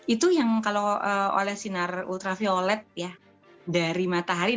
itu yang kalau oleh sinar ultraviolet ya dari matahari